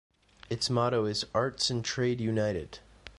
Its motto is "Arts and Trade United".